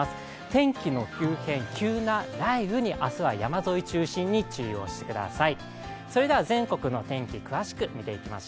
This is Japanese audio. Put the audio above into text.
天気の急変、急な雷雨に明日は山沿いを中心に注意をしてください。